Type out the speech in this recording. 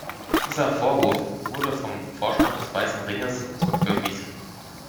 Dieser Vorwurf wurde vom Vorstand des „Weißen Ringes“ zurückgewiesen.